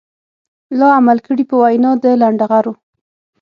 لا عمل کړي په وينا د لنډغرو.